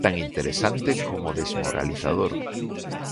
Tan interesante como desmoralizador.